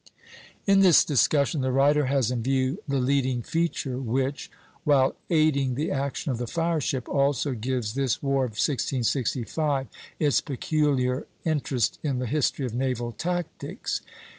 In this discussion the writer has in view the leading feature which, while aiding the action of the fire ship, also gives this war of 1665 its peculiar interest in the history of naval tactics.